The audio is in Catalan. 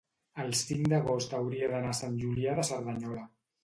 el cinc d'agost hauria d'anar a Sant Julià de Cerdanyola.